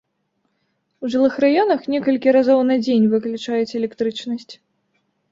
У жылых раёнах некалькі разоў на дзень выключаюць электрычнасць.